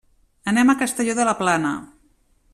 Anem a Castelló de la Plana.